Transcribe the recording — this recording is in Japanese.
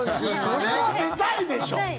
それは出たいでしょう！